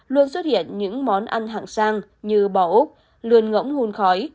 luôn xuất hiện những món ăn hạng sang như bò ốc lươn ngỗng hùn khói